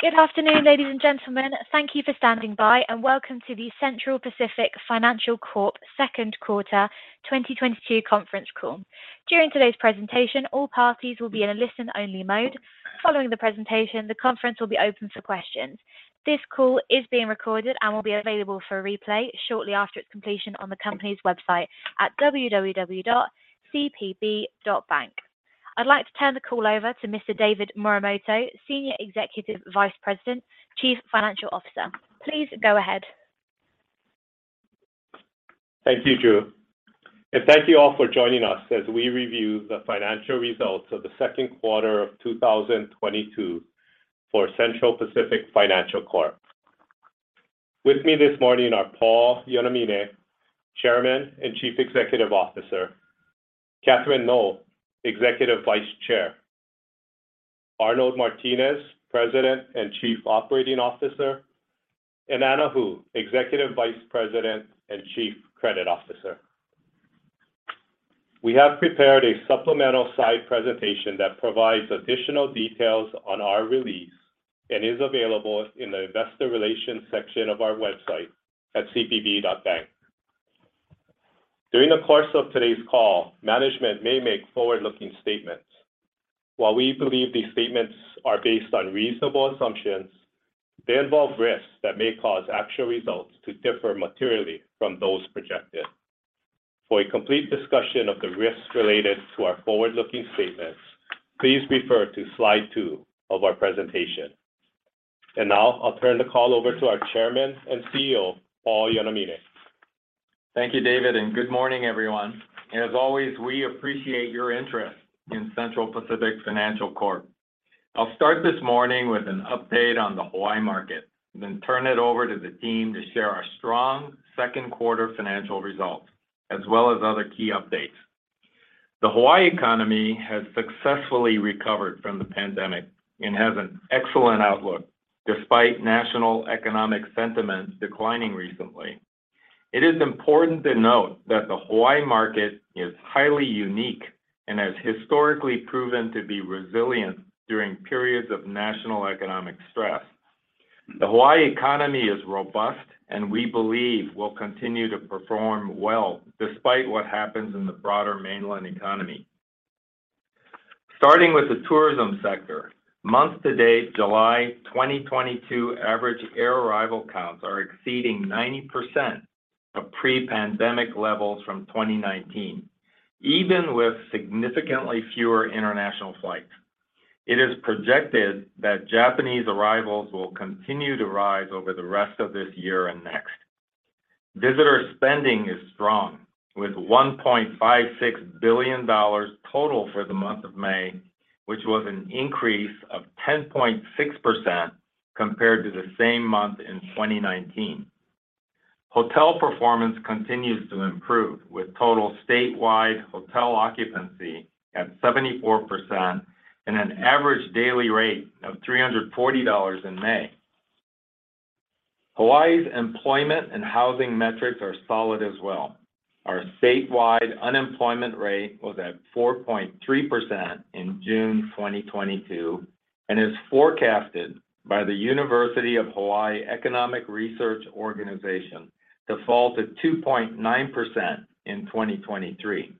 Good afternoon, ladies and gentlemen. Thank you for standing by, and welcome to the Central Pacific Financial Corp. second quarter 2022 conference call. During today's presentation, all parties will be in a listen-only mode. Following the presentation, the conference will be open for questions. This call is being recorded and will be available for a replay shortly after its completion on the company's website at www.cpb.bank. I'd like to turn the call over to Mr. David Morimoto, Senior Executive Vice President, Chief Financial Officer. Please go ahead. Thank you, Drew, and thank you all for joining us as we review the financial results of the second quarter of 2022 for Central Pacific Financial Corp. With me this morning are Paul Yonamine, Chairman and Chief Executive Officer, Catherine Ngo, Executive Vice Chair, Arnold Martines, President and Chief Operating Officer, and Anna Hu, Executive Vice President and Chief Credit Officer. We have prepared a supplemental slide presentation that provides additional details on our release and is available in the investor relations section of our website at cpb.bank. During the course of today's call, management may make forward-looking statements. While we believe these statements are based on reasonable assumptions, they involve risks that may cause actual results to differ materially from those projected. For a complete discussion of the risks related to our forward-looking statements, please refer to slide two of our presentation. Now I'll turn the call over to our Chairman and CEO, Paul Yonamine. Thank you, David, and good morning, everyone. As always, we appreciate your interest in Central Pacific Financial Corp. I'll start this morning with an update on the Hawaii market, then turn it over to the team to share our strong second quarter financial results, as well as other key updates. The Hawaii economy has successfully recovered from the pandemic and has an excellent outlook despite national economic sentiments declining recently. It is important to note that the Hawaii market is highly unique and has historically proven to be resilient during periods of national economic stress. The Hawaii economy is robust, and we believe will continue to perform well despite what happens in the broader mainland economy. Starting with the tourism sector, month to date, July 2022 average air arrival counts are exceeding 90% of pre-pandemic levels from 2019, even with significantly fewer international flights. It is projected that Japanese arrivals will continue to rise over the rest of this year and next. Visitor spending is strong, with $1.56 billion total for the month of May, which was an increase of 10.6% compared to the same month in 2019. Hotel performance continues to improve, with total statewide hotel occupancy at 74% and an average daily rate of $340 in May. Hawaii's employment and housing metrics are solid as well. Our statewide unemployment rate was at 4.3% in June 2022 and is forecasted by the University of Hawaiʻi Economic Research Organization to fall to 2.9% in 2023.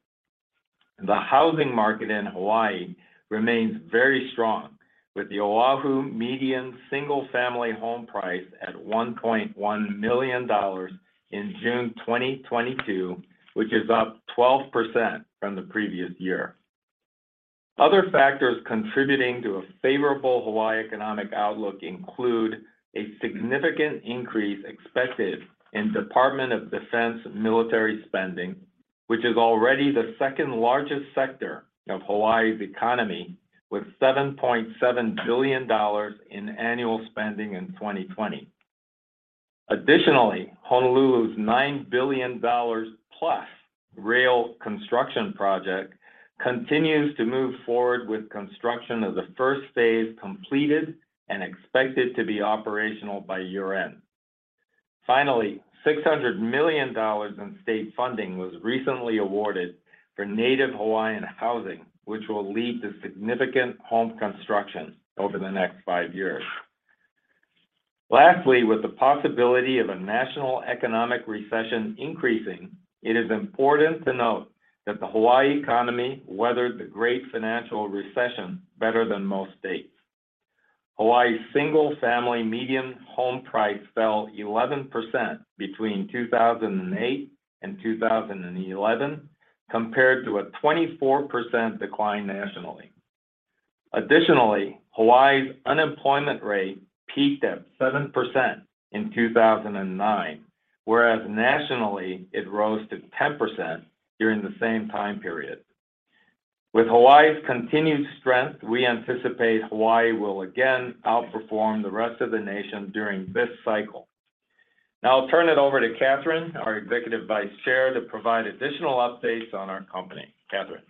The housing market in Hawaii remains very strong, with the Oahu median single-family home price at $1.1 million in June 2022, which is up 12% from the previous year. Other factors contributing to a favorable Hawaii economic outlook include a significant increase expected in Department of Defense military spending, which is already the second largest sector of Hawaii's economy, with $7.7 billion in annual spending in 2020. Additionally, Honolulu's $9 billion plus rail construction project continues to move forward with construction of the phase I completed and expected to be operational by year-end. Finally, $600 million in state funding was recently awarded for Native Hawaiian housing, which will lead to significant home construction over the next five years. Lastly, with the possibility of a national economic recession increasing, it is important to note that the Hawaiʻi economy weathered the great financial recession better than most states. Hawaiʻi's single-family median home price fell 11% between 2008 and 2011, compared to a 24% decline nationally. Additionally, Hawaiʻi's unemployment rate peaked at 7% in 2009, whereas nationally it rose to 10% during the same time period. With Hawaiʻi's continued strength, we anticipate Hawaiʻi will again outperform the rest of the nation during this cycle. Now I'll turn it over to Catherine, our Executive Vice Chair, to provide additional updates on our company. Catherine.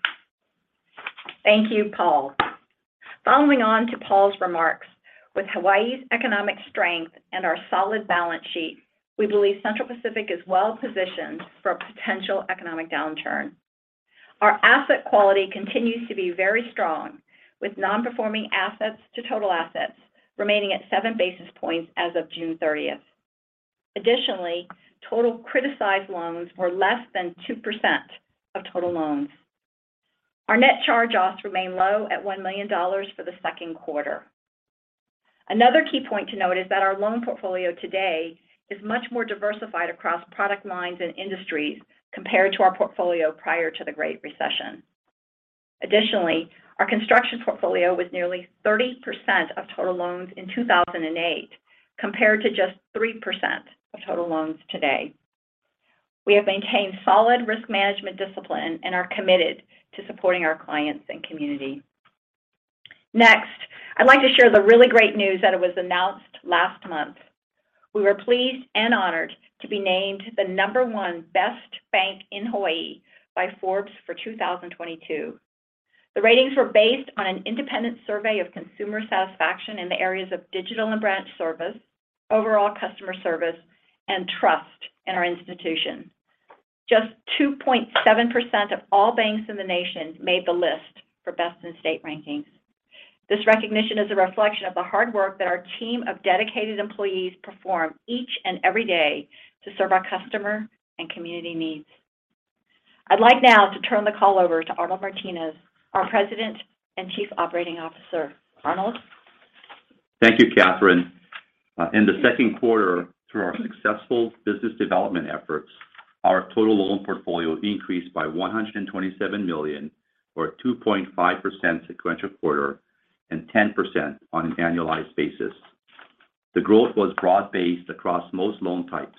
Thank you, Paul. Following on to Paul's remarks, with Hawaiʻi's economic strength and our solid balance sheet, we believe Central Pacific is well-positioned for a potential economic downturn. Our asset quality continues to be very strong, with non-performing assets to total assets remaining at 7 basis points as of June 30th. Additionally, total criticized loans were less than 2% of total loans. Our net charge-offs remain low at $1 million for the second quarter. Another key point to note is that our loan portfolio today is much more diversified across product lines and industries compared to our portfolio prior to the Great Recession. Additionally, our construction portfolio was nearly 30% of total loans in 2008, compared to just 3% of total loans today. We have maintained solid risk management discipline and are committed to supporting our clients and community. Next, I'd like to share the really great news that it was announced last month. We were pleased and honored to be named the number one best bank in Hawaiʻi by Forbes for 2022. The ratings were based on an independent survey of consumer satisfaction in the areas of digital and branch service, overall customer service, and trust in our institution. Just 2.7% of all banks in the nation made the list for best in state rankings. This recognition is a reflection of the hard work that our team of dedicated employees perform each and every day to serve our customer and community needs. I'd like now to turn the call over to Arnold Martines, our President and Chief Operating Officer. Arnold. Thank you, Catherine. In the second quarter, through our successful business development efforts, our total loan portfolio increased by $127 million, or 2.5% sequential quarter, and 10% on an annualized basis. The growth was broad-based across most loan types,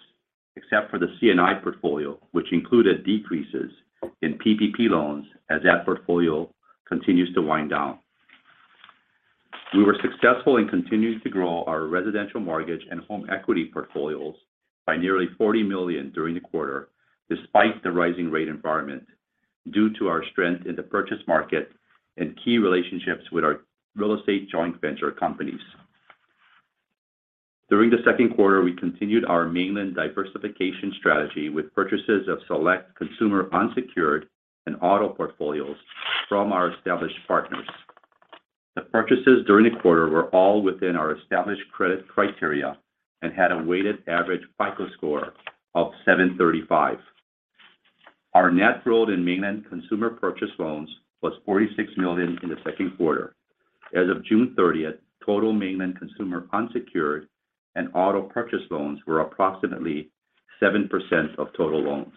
except for the C&I portfolio, which included decreases in PPP loans as that portfolio continues to wind down. We were successful in continuing to grow our residential mortgage and home equity portfolios by nearly $40 million during the quarter, despite the rising rate environment, due to our strength in the purchase market and key relationships with our real estate joint venture companies. During the second quarter, we continued our mainland diversification strategy with purchases of select consumer unsecured and auto portfolios from our established partners. The purchases during the quarter were all within our established credit criteria and had a weighted average FICO score of 735. Our net growth in mainland consumer purchase loans was $46 million in the second quarter. As of June 30th, total mainland consumer unsecured and auto purchase loans were approximately 7% of total loans.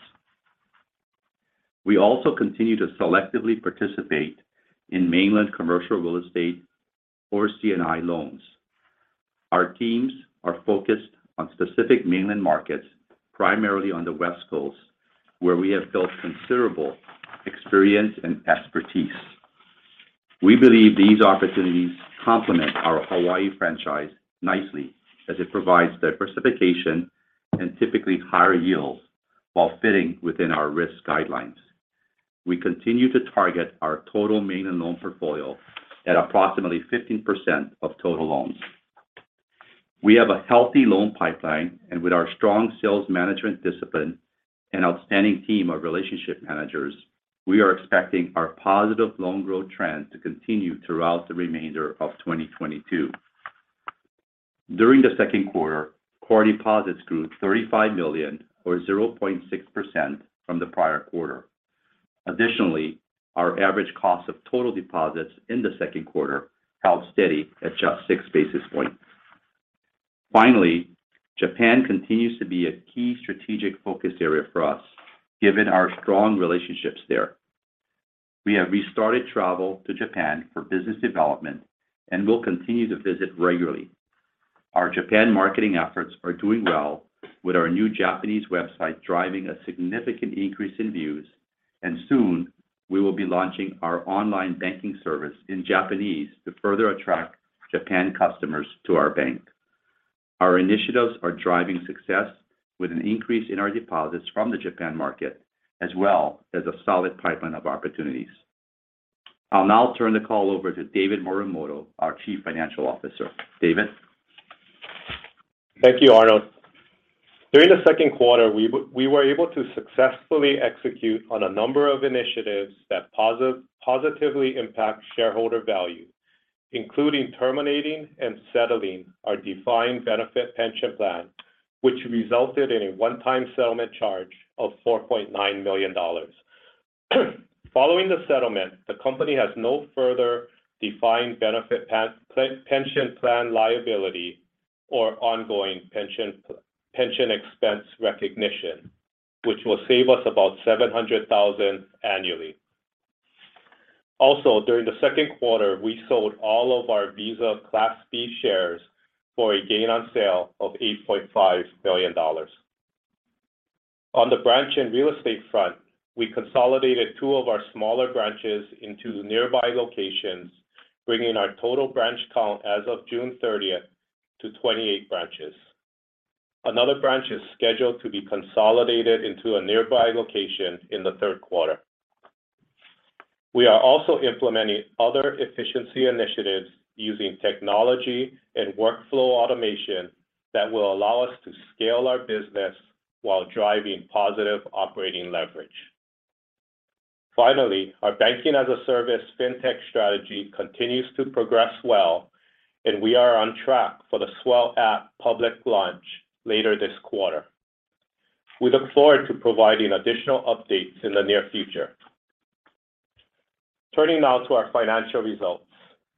We also continue to selectively participate in mainland commercial real estate or C&I loans. Our teams are focused on specific mainland markets, primarily on the West Coast, where we have built considerable experience and expertise. We believe these opportunities complement our Hawaii franchise nicely as it provides diversification and typically higher yields while fitting within our risk guidelines. We continue to target our total mainland loan portfolio at approximately 15% of total loans. We have a healthy loan pipeline, and with our strong sales management discipline and outstanding team of relationship managers, we are expecting our positive loan growth trend to continue throughout the remainder of 2022. During the second quarter, core deposits grew $35 million or 0.6% from the prior quarter. Additionally, our average cost of total deposits in the second quarter held steady at just six basis points. Finally, Japan continues to be a key strategic focus area for us, given our strong relationships there. We have restarted travel to Japan for business development and will continue to visit regularly. Our Japan marketing efforts are doing well with our new Japanese website driving a significant increase in views, and soon we will be launching our online banking service in Japanese to further attract Japan customers to our bank. Our initiatives are driving success with an increase in our deposits from the Japan market, as well as a solid pipeline of opportunities. I'll now turn the call over to David Morimoto, our Chief Financial Officer. David. Thank you, Arnold. During the second quarter, we were able to successfully execute on a number of initiatives that positively impact shareholder value, including terminating and settling our defined benefit pension plan, which resulted in a one-time settlement charge of $4.9 million. Following the settlement, the company has no further defined benefit pension plan liability or ongoing pension expense recognition, which will save us about $700,000 annually. Also, during the second quarter, we sold all of our Visa Class B shares for a gain on sale of $8.5 billion. On the branch and real estate front, we consolidated two of our smaller branches into nearby locations, bringing our total branch count as of June 30th to 28 branches. Another branch is scheduled to be consolidated into a nearby location in the third quarter. We are also implementing other efficiency initiatives using technology and workflow automation that will allow us to scale our business while driving positive operating leverage. Finally, our banking-as-a-service fintech strategy continues to progress well, and we are on track for the Swell app public launch later this quarter. We look forward to providing additional updates in the near future. Turning now to our financial results.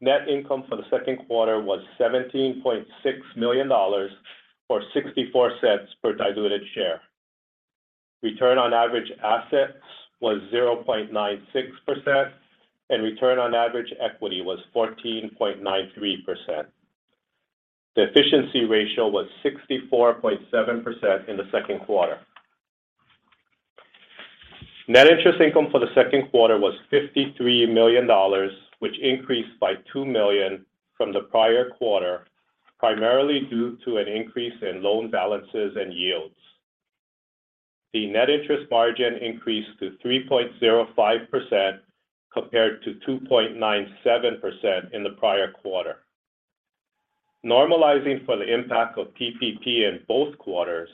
Net income for the second quarter was $17.6 million or $0.64 per diluted share. Return on average assets was 0.96%, and return on average equity was 14.93%. The efficiency ratio was 64.7% in the second quarter. Net interest income for the second quarter was $53 million, which increased by $2 million from the prior quarter, primarily due to an increase in loan balances and yields. The net interest margin increased to 3.05% compared to 2.97% in the prior quarter. Normalizing for the impact of PPP in both quarters,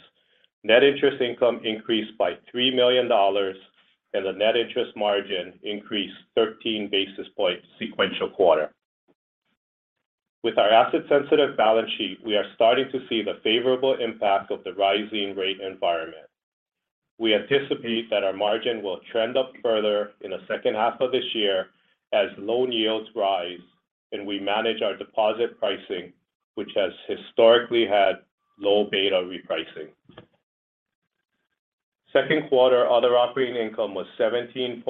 net interest income increased by $3 million, and the net interest margin increased 13 basis points sequential quarter. With our asset-sensitive balance sheet, we are starting to see the favorable impact of the rising rate environment. We anticipate that our margin will trend up further in the second half of this year as loan yields rise, and we manage our deposit pricing, which has historically had low beta repricing. Second quarter other operating income was $17.1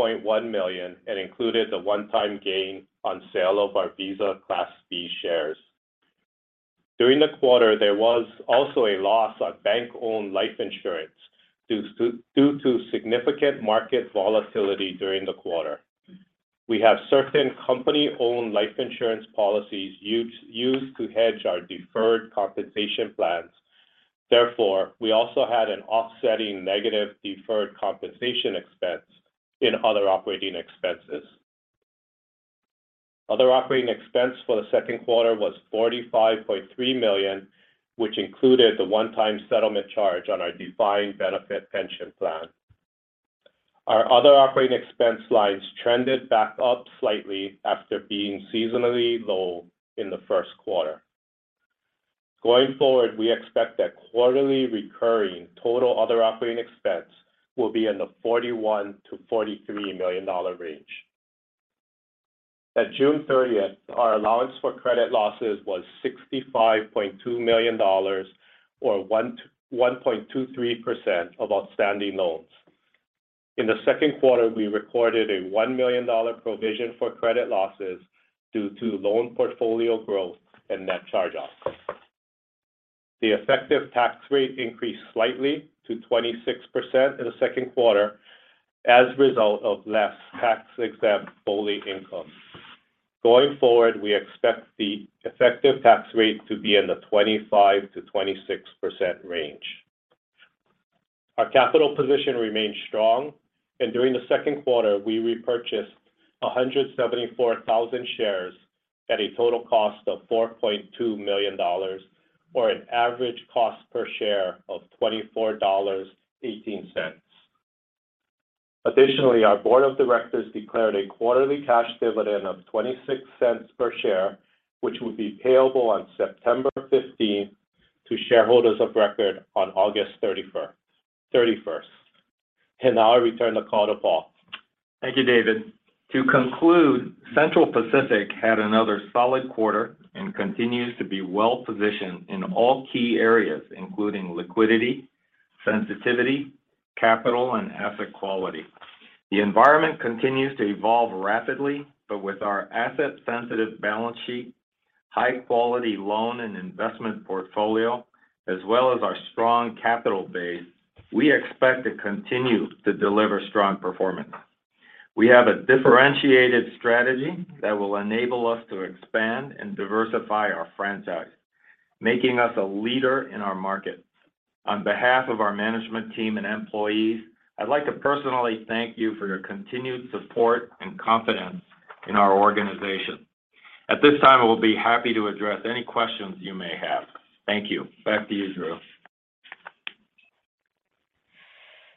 million and included the one-time gain on sale of our Visa Class B shares. During the quarter, there was also a loss on bank-owned life insurance due to significant market volatility during the quarter. We have certain company-owned life insurance policies used to hedge our deferred compensation plans. Therefore, we also had an offsetting negative deferred compensation expense in other operating expenses. Other operating expense for the second quarter was $45.3 million, which included the one-time settlement charge on our defined benefit pension plan. Our other operating expense lines trended back up slightly after being seasonally low in the first quarter. Going forward, we expect that quarterly recurring total other operating expense will be in the $41 million-$43 million range. At June 30th, our allowance for credit losses was $65.2 million or 1.23% of outstanding loans. In the second quarter, we recorded a $1 million provision for credit losses due to loan portfolio growth and net charge-offs. The effective tax rate increased slightly to 26% in the second quarter as a result of less tax-exempt BOLI income. Going forward, we expect the effective tax rate to be in the 25%-26% range. Our capital position remains strong, and during the second quarter, we repurchased 174,000 shares at a total cost of $4.2 million, or an average cost per share of $24.18. Additionally, our board of directors declared a quarterly cash dividend of $0.26 per share, which will be payable on September 15th to shareholders of record on August 31st. Now I return the call to Paul. Thank you, David. To conclude, Central Pacific had another solid quarter and continues to be well positioned in all key areas, including liquidity, sensitivity, capital, and asset quality. The environment continues to evolve rapidly, but with our asset-sensitive balance sheet, high-quality loan and investment portfolio, as well as our strong capital base, we expect to continue to deliver strong performance. We have a differentiated strategy that will enable us to expand and diversify our franchise, making us a leader in our markets. On behalf of our management team and employees, I'd like to personally thank you for your continued support and confidence in our organization. At this time, I will be happy to address any questions you may have. Thank you. Back to you, Drew.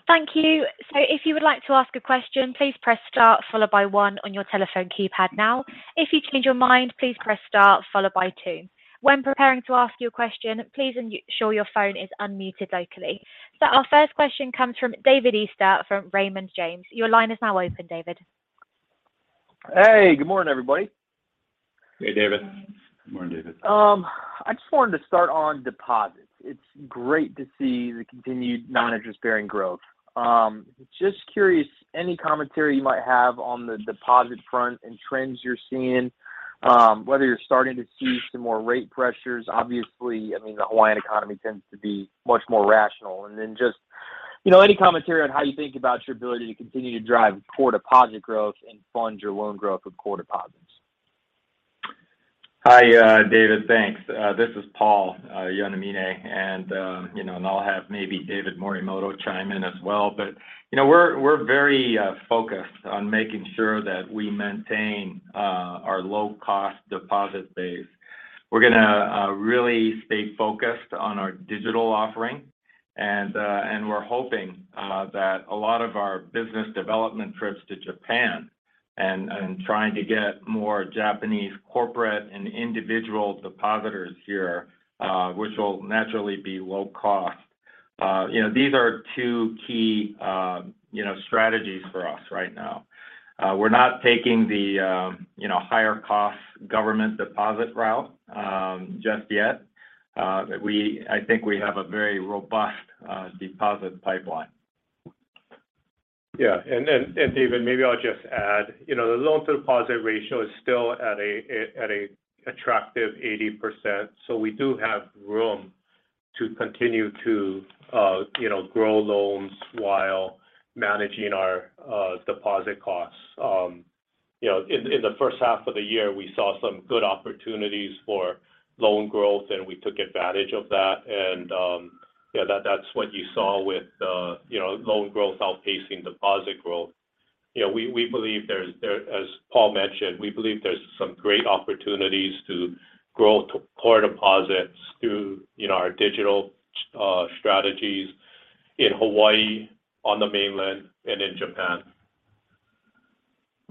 Thank you. If you would like to ask a question, please press star followed by one on your telephone keypad now. If you change your mind, please press star followed by two. When preparing to ask your question, please ensure your phone is unmuted locally. Our first question comes from David Feaster from Raymond James. Your line is now open, David. Hey, good morning, everybody. Hey, David. Good morning, David. I just wanted to start on deposits. It's great to see the continued non-interest-bearing growth. Just curious, any commentary you might have on the deposit front and trends you're seeing, whether you're starting to see some more rate pressures. Obviously, I mean, the Hawaiian economy tends to be much more rational. Just, you know, any commentary on how you think about your ability to continue to drive core deposit growth and fund your loan growth with core deposits. Hi, David. Thanks. This is Paul Yonamine, and, you know, I'll have maybe David Morimoto chime in as well. You know, we're very focused on making sure that we maintain our low-cost deposit base. We're gonna really stay focused on our digital offering, and we're hoping that a lot of our business development trips to Japan and trying to get more Japanese corporate and individual depositors here, which will naturally be low cost. You know, these are two key, you know, strategies for us right now. We're not taking the higher cost government deposit route, just yet. I think we have a very robust deposit pipeline. Yeah. David, maybe I'll just add, you know, the loan to deposit ratio is still at a attractive 80%, so we do have room to continue to, you know, grow loans while managing our deposit costs. You know, in the first half of the year, we saw some good opportunities for loan growth, and we took advantage of that. Yeah, that's what you saw with, you know, loan growth outpacing deposit growth. You know, we believe, as Paul mentioned, there's some great opportunities to grow core deposits through, you know, our digital strategies in Hawaiʻi, on the mainland, and in Japan.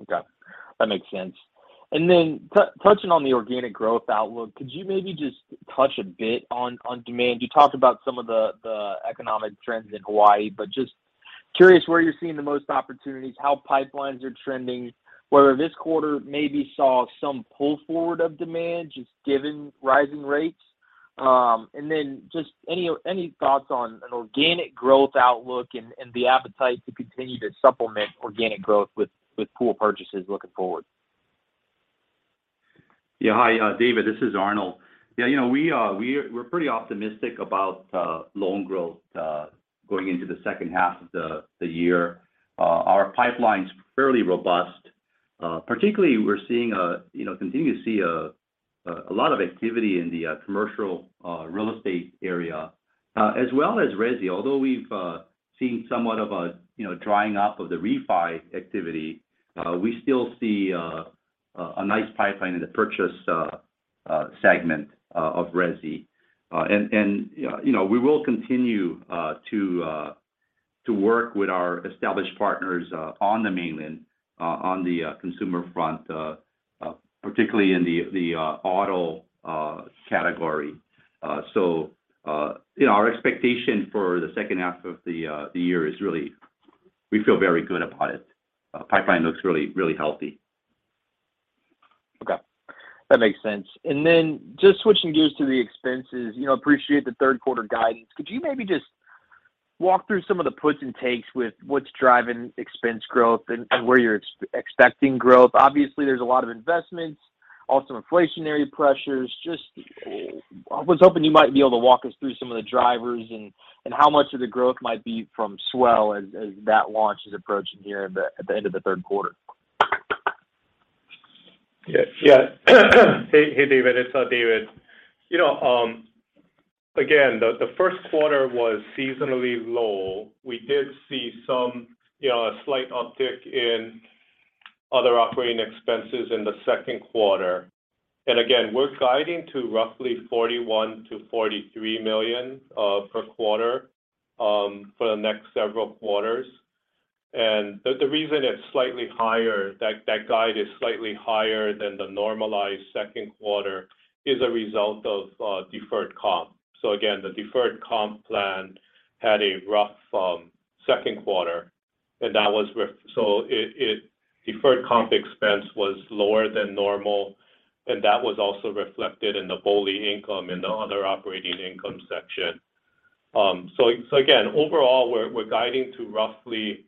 Okay. That makes sense. Touching on the organic growth outlook, could you maybe just touch a bit on demand? You talked about some of the economic trends in Hawaiʻi, but just curious where you're seeing the most opportunities, how pipelines are trending, whether this quarter maybe saw some pull forward of demand, just given rising rates. Just any thoughts on an organic growth outlook and the appetite to continue to supplement organic growth with pool purchases looking forward. Yeah. Hi, David, this is Arnold. Yeah, you know, we're pretty optimistic about loan growth going into the second half of the year. Our pipeline's fairly robust. Particularly we're seeing a, you know, continue to see a lot of activity in the commercial real estate area, as well as resi. Although we've seen somewhat of a, you know, drying up of the refi activity, we still see a nice pipeline in the purchase segment of resi. And, you know, we will continue to work with our established partners on the mainland, on the consumer front, particularly in the auto category. You know, our expectation for the second half of the year is really we feel very good about it. Pipeline looks really healthy. Okay. That makes sense. Then just switching gears to the expenses, you know, appreciate the third quarter guidance. Could you maybe just walk through some of the puts and takes with what's driving expense growth and where you're expecting growth? Obviously, there's a lot of investments, also inflationary pressures. Just I was hoping you might be able to walk us through some of the drivers and how much of the growth might be from Swell as that launch is approaching here at the end of the third quarter. Hey, David, it's David. You know, again, the first quarter was seasonally low. We did see some, you know, a slight uptick in other operating expenses in the second quarter. We're guiding to roughly $41 million-$43 million per quarter for the next several quarters. The reason it's slightly higher, that guide is slightly higher than the normalized second quarter is a result of deferred comp. The deferred comp plan had a rough second quarter, so deferred comp expense was lower than normal, and that was also reflected in the BOLI income and the other operating income section. So again, overall, we're guiding to roughly,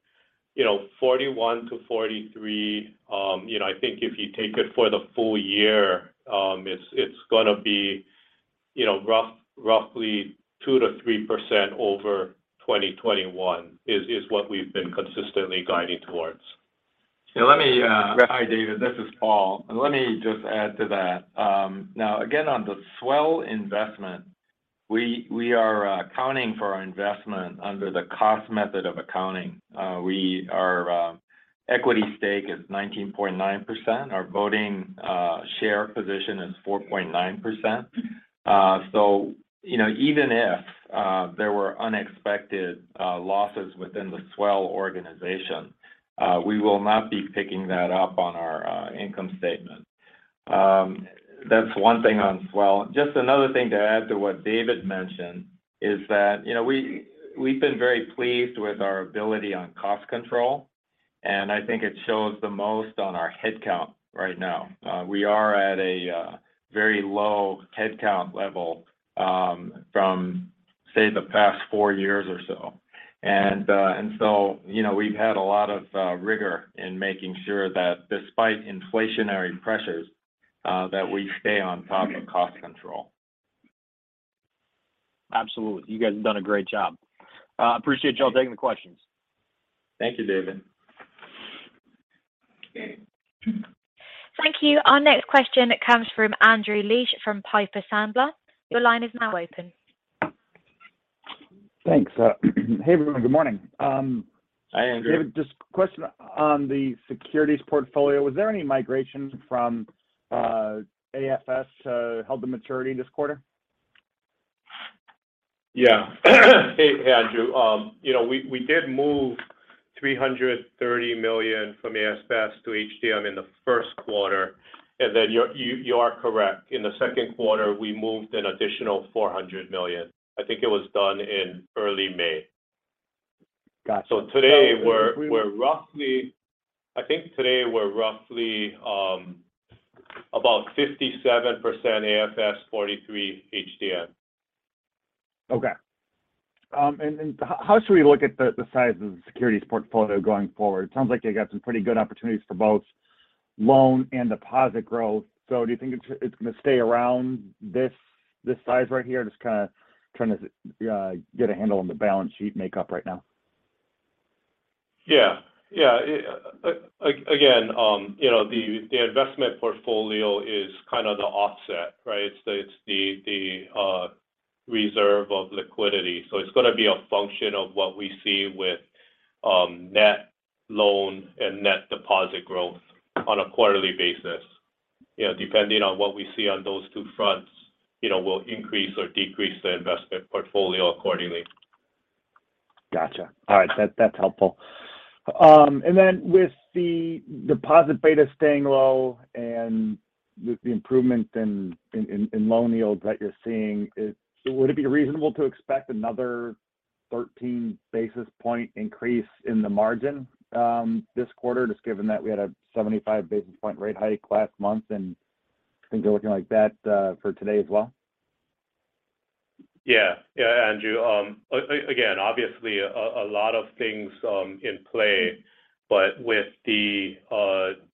you know, $41 million-$43 million. You know, I think if you take it for the full year, it's gonna be, you know, roughly 2%-3% over 2021, is what we've been consistently guiding towards. Yeah, let me. Hi, David, this is Paul. Let me just add to that. Now, again, on the Swell investment, we are accounting for our investment under the cost method of accounting. Our equity stake is 19.9%. Our voting share position is 4.9%. You know, even if there were unexpected losses within the Swell organization, we will not be picking that up on our income statement. That's one thing on Swell. Just another thing to add to what David mentioned is that, you know, we have been very pleased with our ability on cost control, and I think it shows the most on our headcount right now. We are at a very low headcount level, from, say, the past four years or so. You know, we've had a lot of rigor in making sure that despite inflationary pressures, that we stay on top of cost control. Absolutely. You guys have done a great job. Appreciate y'all taking the questions. Thank you, David. Thank you. Our next question comes from Andrew Liesch from Piper Sandler. Your line is now open. Thanks. Hey, everyone. Good morning. Hi, Andrew. David, just a question on the securities portfolio. Was there any migration from AFS to held-to-maturity this quarter? Yeah. Hey, Andrew. You know, we did move $330 million from AFS to HTM in the first quarter. You are correct. In the second quarter, we moved an additional $400 million. I think it was done in early May. Gotcha. Today we're roughly, I think, about 57% AFS, 43 HTM. Okay. How should we look at the size of the securities portfolio going forward? It sounds like you got some pretty good opportunities for both loan and deposit growth. Do you think it's gonna stay around this size right here? Just kinda trying to get a handle on the balance sheet makeup right now. Yeah. Again, you know, the investment portfolio is kind of the offset, right? It's the reserve of liquidity. It's gonna be a function of what we see with net loan and net deposit growth on a quarterly basis. You know, depending on what we see on those two fronts, you know, we'll increase or decrease the investment portfolio accordingly. Gotcha. All right. That, that's helpful. With the deposit beta staying low and the improvement in loan yields that you're seeing, would it be reasonable to expect another 13 basis point increase in the margin, this quarter, just given that we had a 75 basis point rate hike last month, and things are looking like that for today as well? Yeah, Andrew. Again, obviously a lot of things in play, but with the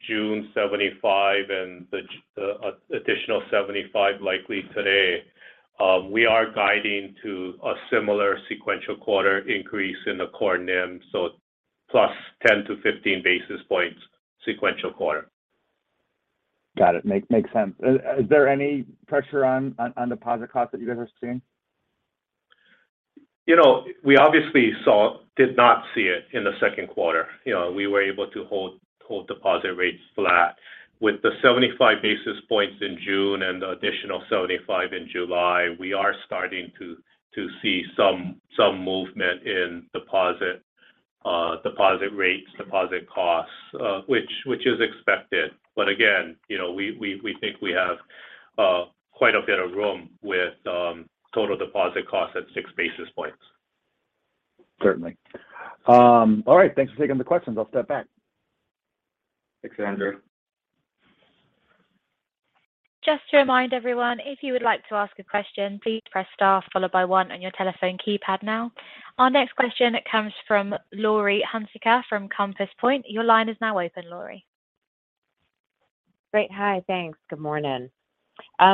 June 75 and the additional 75 likely today, we are guiding to a similar sequential quarter increase in the core NIM, so plus 10-15 basis points sequential quarter. Got it. Makes sense. Is there any pressure on deposit costs that you guys are seeing? You know, we obviously did not see it in the second quarter. You know, we were able to hold deposit rates flat. With the 75 basis points in June and the additional 75 in July, we are starting to see some movement in deposit rates, deposit costs, which is expected. Again, you know, we think we have quite a bit of room with total deposit costs at 6 basis points. Certainly. All right. Thanks for taking the questions. I'll step back. Thanks, Andrew. Just to remind everyone, if you would like to ask a question, please press star followed by one on your telephone keypad now. Our next question comes from Laurie Hunsicker from Compass Point. Your line is now open, Laurie. Great. Hi. Thanks. Good morning. Hi,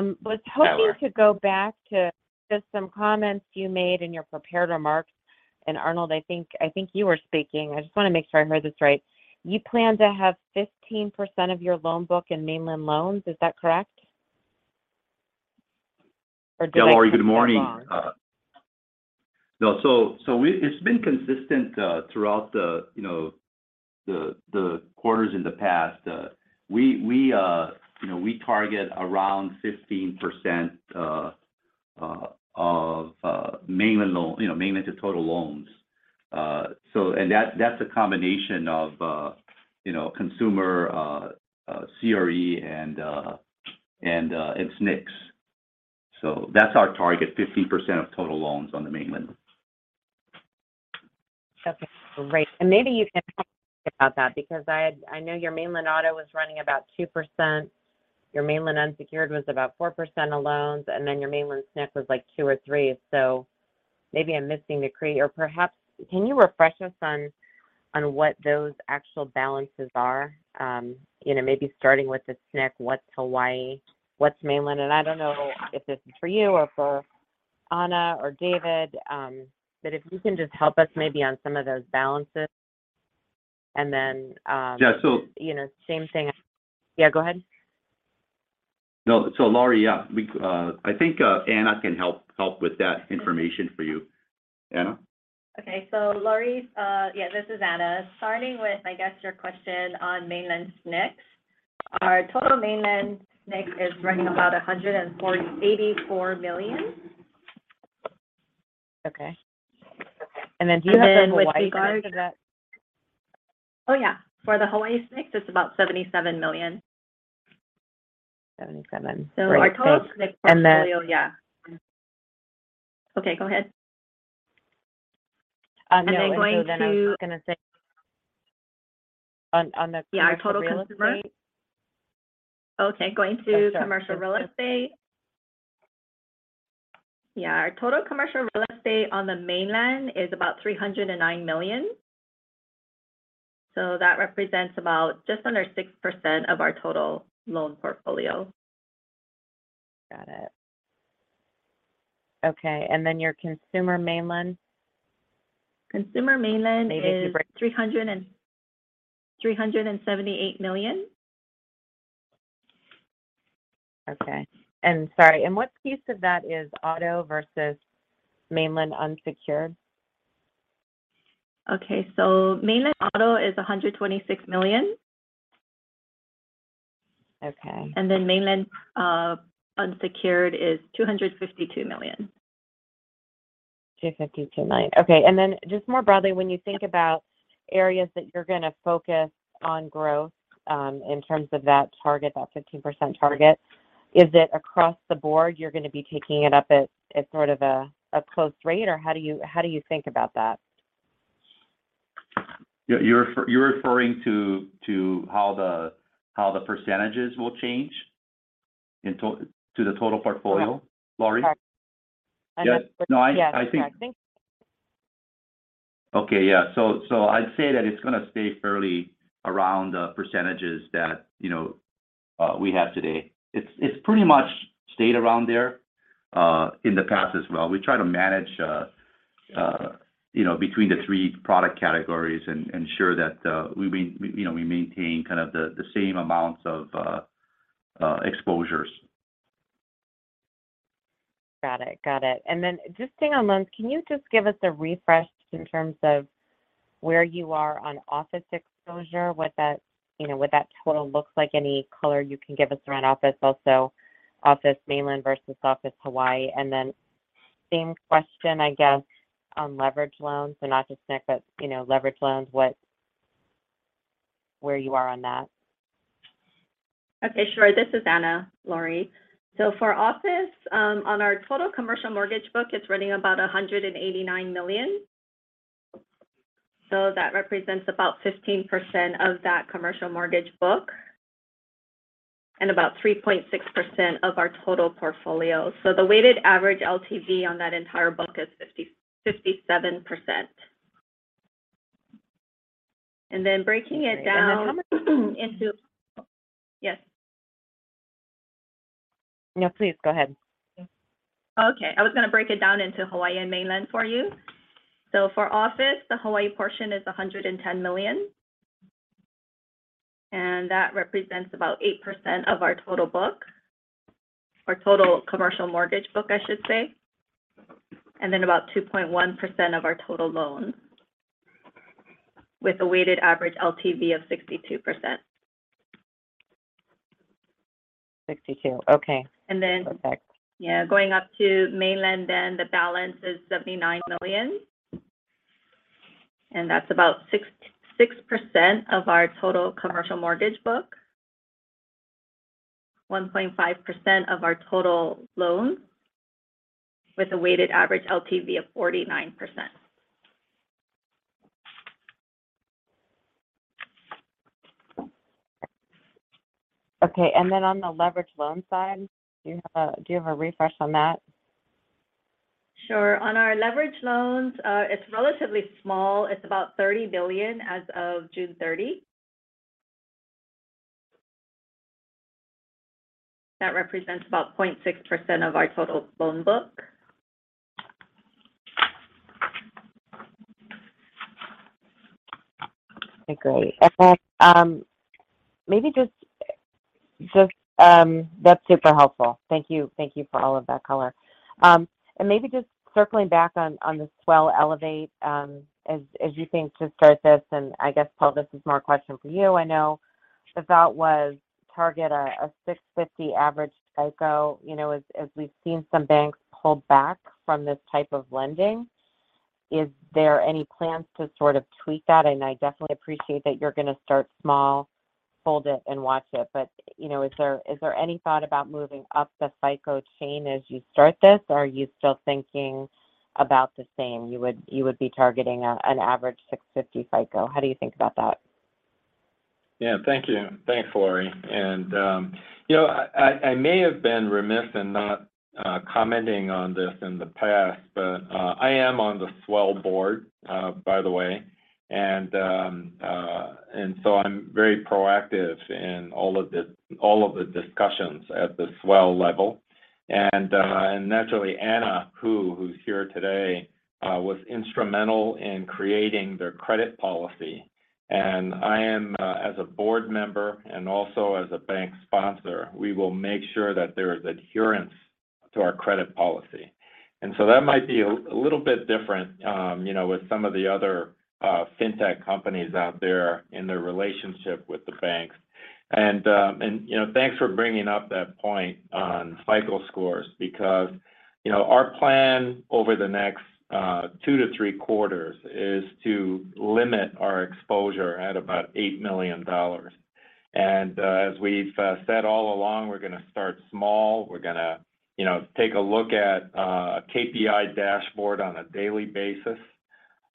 Laurie. To go back to just some comments you made in your prepared remarks. Arnold, I think you were speaking. I just wanna make sure I heard this right. You plan to have 15% of your loan book in mainland loans. Is that correct? Or did I hear that wrong? Yeah, Laurie, good morning. No, it's been consistent throughout, you know, the quarters in the past. We, you know, target around 15% of mainland, you know, mainland to total loans. And that's a combination of, you know, consumer, CRE and SNCs. That's our target, 15% of total loans on the mainland. Okay, great. Maybe you can help me think about that because I know your mainland auto was running about 2%, your mainland unsecured was about 4% of loans, and then your mainland SNC was, like, two or three. Maybe I'm missing. Perhaps you can refresh us on what those actual balances are. You know, maybe starting with the SNC, what's Hawaii, what's mainland? I don't know if this is for you or for Anna or David. But if you can just help us maybe on some of those balances and then, Yeah, so- You know, same thing. Yeah, go ahead. No. Laurie, yeah, I think Anna can help with that information for you. Anna? Laurie, yeah, this is Anna. Starting with, I guess, your question on mainland SNCs. Our total mainland SNCs is running about $184 million. Okay. Do you have the Hawaii piece of that? For the Hawaii SNCs, it's about $77 million. 77. Great. Thanks. Our total SNCs portfolio. And then- Yeah. Okay, go ahead. No. I was gonna say. And then going to- On the commercial real estate. Yeah, our total consumer. Okay, going to commercial real estate. Yes, sure. Yeah. Our total commercial real estate on the mainland is about $309 million. That represents about just under 6% of our total loan portfolio. Got it. Okay, and then your consumer mainland? Consumer mainland is $378 million. Okay. Sorry, what piece of that is auto versus mainland unsecured? Mainland auto is $126 million. Okay. Mainland unsecured is $252 million. $252 million. Okay, just more broadly, when you think about areas that you're gonna focus on growth, in terms of that target, that 15% target, is it across the board you're gonna be taking it up at sort of a close rate, or how do you think about that? You're referring to how the percentages will change into the total portfolio. No Laurie? Sorry. I meant the No, I think. Yeah. No, I think. Okay. Yeah. I'd say that it's gonna stay fairly around the percentages that, you know, we have today. It's pretty much stayed around there in the past as well. We try to manage, you know, between the three product categories and ensure that we, you know, maintain kind of the same amounts of exposures. Got it. Just staying on loans, can you just give us a refresh in terms of where you are on office exposure, what that, you know, what that total looks like, any color you can give us around office, also office mainland versus office Hawaii? Same question, I guess, on leveraged loans. Not just Nick, but, you know, leveraged loans, what, where you are on that. This is Anna, Laurie. For office on our total commercial mortgage book, it's running about $189 million. That represents about 15% of that commercial mortgage book and about 3.6% of our total portfolio. The weighted average LTV on that entire book is 55.7%. No, please go ahead. Okay. I was gonna break it down into Hawaii and mainland for you. For office, the Hawaii portion is $110 million, and that represents about 8% of our total book, or total commercial mortgage book, I should say. About two point one percent of our total loans, with a weighted average LTV of 62%. 62. Okay. And then- Perfect. Yeah. Going up to mainland then, the balance is $79 million, and that's about 6.6% of our total commercial mortgage book, 1.5% of our total loans, with a weighted average LTV of 49%. Okay. On the leveraged loan side, do you have a refresh on that? Sure. On our leveraged loans, it's relatively small. It's about $30 billion as of June 30. That represents about 0.6% of our total loan book. Okay, great. That's super helpful. Thank you. Thank you for all of that color. Maybe just circling back on the Swell Elevate, as you think to start this. I guess, Paul, this is more a question for you. I know the thought was target a 650 average FICO. You know, as we've seen some banks pull back from this type of lending, is there any plans to sort of tweak that? I definitely appreciate that you're gonna start small, hold it, and watch it. You know, is there any thought about moving up the FICO chain as you start this, or are you still thinking about the same? You would be targeting an average 650 FICO. How do you think about that? Yeah. Thank you. Thanks, Laurie. You know, I may have been remiss in not commenting on this in the past, but I am on the Swell board, by the way, and I'm very proactive in all of the discussions at the Swell level. Naturally Anna, who's here today, was instrumental in creating their credit policy. I am, as a board member and also as a bank sponsor, we will make sure that there is adherence to our credit policy. That might be a little bit different, you know, with some of the other fintech companies out there in their relationship with the banks. You know, thanks for bringing up that point on FICO scores because, you know, our plan over the next two to three quarters is to limit our exposure at about $8 million. As we've said all along, we're gonna start small. We're gonna, you know, take a look at a KPI dashboard on a daily basis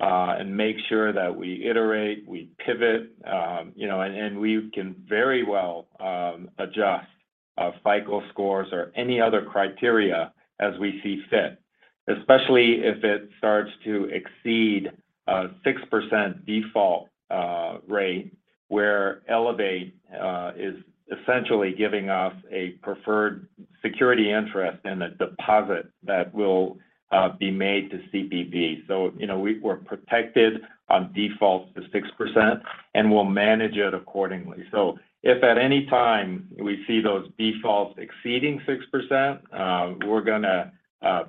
and make sure that we iterate, we pivot, you know, and we can very well adjust FICO scores or any other criteria as we see fit. Especially if it starts to exceed 6% default rate where Elevate is essentially giving us a preferred security interest in the deposit that will be made to CPB. You know, we're protected on defaults to 6%, and we'll manage it accordingly. If at any time we see those defaults exceeding 6%, we're gonna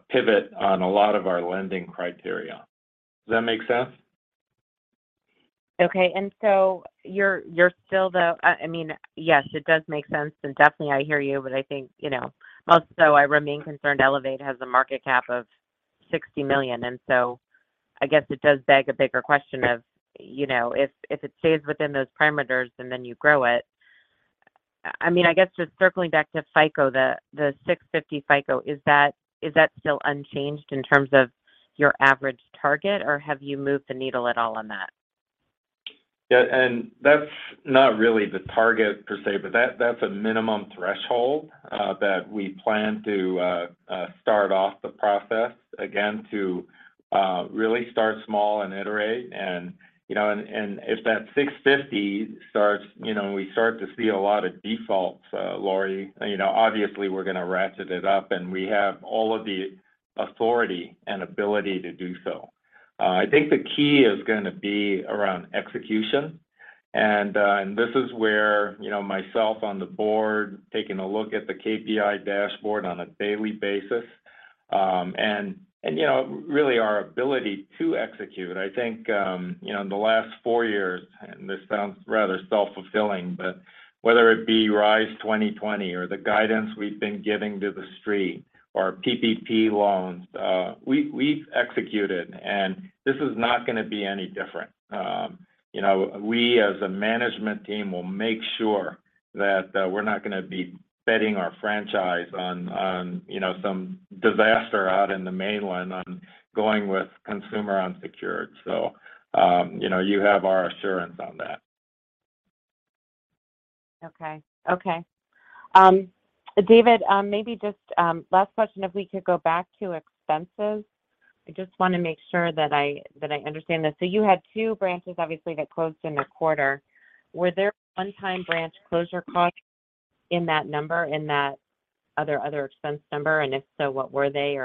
pivot on a lot of our lending criteria. Does that make sense? Okay. You're still... I mean, yes, it does make sense, and definitely I hear you, but I think, you know, also I remain concerned Elevate has a market cap of $60 million. I guess it does beg a bigger question of, you know, if it stays within those parameters and then you grow it. I mean, I guess just circling back to FICO, the 650 FICO, is that still unchanged in terms of your average target, or have you moved the needle at all on that? That's not really the target per se, but that's a minimum threshold that we plan to start off the process. Again, to really start small and iterate and, you know. If that 650 starts, you know, we start to see a lot of defaults, Laurie, you know, obviously we're gonna ratchet it up, and we have all of the authority and ability to do so. I think the key is gonna be around execution and this is where, you know, myself on the board taking a look at the KPI dashboard on a daily basis, and you know, really our ability to execute. I think, you know, in the last four years, and this sounds rather self-fulfilling, but whether it be RISE 2020 or the guidance we've been giving to the street or PPP loans, we've executed, and this is not gonna be any different. You know, we as a management team will make sure that, we're not gonna be betting our franchise on you know, some disaster out in the mainland on going with consumer unsecured. You know, you have our assurance on that. Okay. David, maybe just last question, if we could go back to expenses. I just wanna make sure that I understand this. You had two branches obviously that closed in the quarter. Were there one-time branch closure costs in that number, in that other expense number? If so, what were they?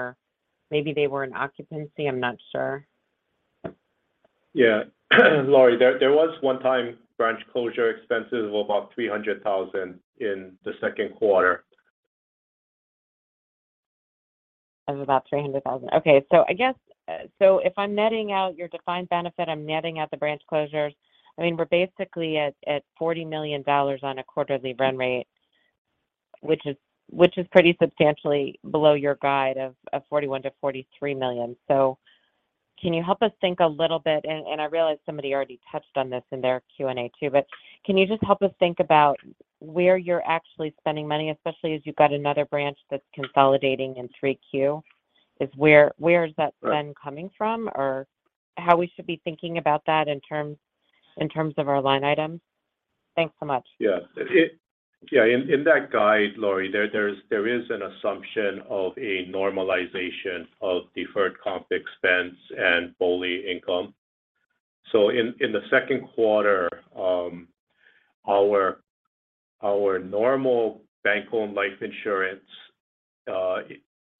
Maybe they were in occupancy, I'm not sure. Yeah. Laurie, there was one-time branch closure expenses of about $300,000 in the second quarter. Of about $300,000. Okay. I guess, if I'm netting out your defined benefit, I'm netting out the branch closures, I mean, we're basically at $40 million on a quarterly run rate, which is pretty substantially below your guide of $41 million-$43 million. Can you help us think a little bit, I realize somebody already touched on this in their Q&A too, but can you just help us think about where you're actually spending money, especially as you've got another branch that's consolidating in 3Q? Where is that spend coming from or how we should be thinking about that in terms of our line items? Thanks so much. Yeah, in that guide, Laurie, there is an assumption of a normalization of deferred comp expense and BOLI income. In the second quarter, our normal Bank-Owned Life Insurance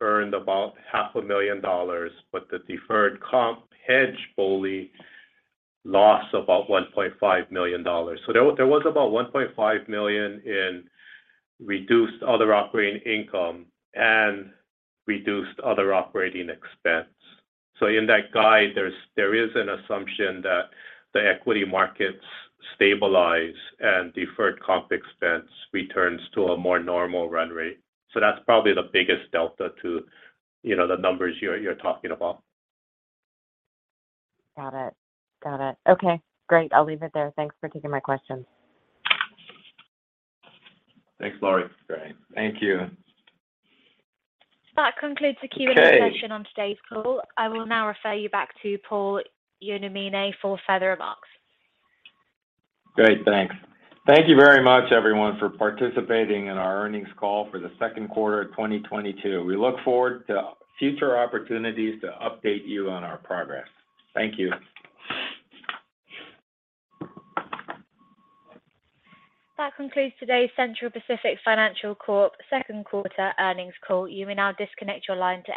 earned about $500,000 million, but the deferred comp hedge BOLI lost about $1.5 million. There was about $1.5 million in reduced other operating income and reduced other operating expense. In that guide, there is an assumption that the equity markets stabilize and deferred comp expense returns to a more normal run rate. That's probably the biggest delta to, you know, the numbers you're talking about. Got it. Okay, great. I'll leave it there. Thanks for taking my questions. Thanks, Laurie. Great. Thank you. That concludes the Q&A session. Okay. on today's call. I will now refer you back to Paul Yonamine for further remarks. Great. Thanks. Thank you very much everyone for participating in our earnings call for the second quarter of 2022. We look forward to future opportunities to update you on our progress. Thank you. That concludes today's Central Pacific Financial Corp second quarter earnings call. You may now disconnect your lines.